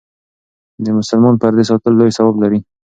د مسلمان د پردې ساتل لوی ثواب لري.